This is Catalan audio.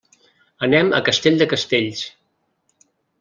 Anem a Castell de Castells.